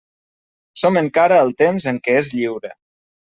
Som encara al temps en què és lliure.